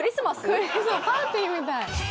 パーティーみたい。